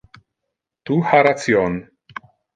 Tu ha ration!